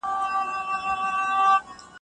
خوږې خوږې